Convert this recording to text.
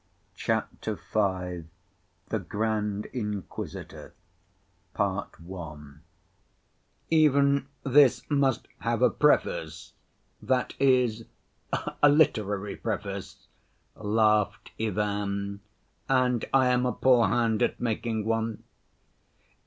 Chapter V. The Grand Inquisitor "Even this must have a preface—that is, a literary preface," laughed Ivan, "and I am a poor hand at making one.